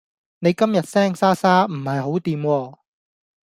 你今日聲沙沙唔係好惦喎